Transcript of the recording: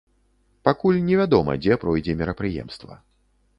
Пакуль невядома, дзе пройдзе мерапрыемства.